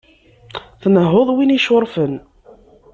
Tnehhuḍ win yeccurfen.